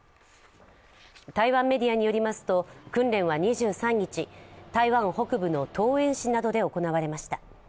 台湾メディアによりますと訓練は２３日、台湾北部の桃園市などで行われました。